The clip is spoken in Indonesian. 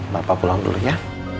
bapak pulang dulu ya